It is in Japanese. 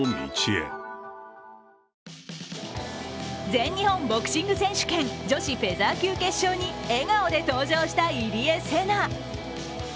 全日本ボクシング選手権女子フェザー級決勝に笑顔で登場した入江聖奈。